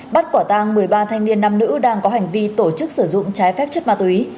bắt quả tang một mươi ba thanh niên nam nữ đang có hành vi tổ chức sử dụng trái phép chất ma túy